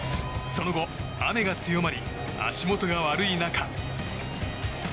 その後、雨が強まり足元が悪い中。